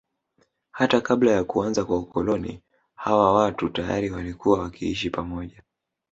Hata kabla ya kuanza kwa ukoloni hawa watu tayari walikuwa wakiishi pamoja